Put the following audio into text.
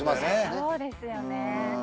そうですよね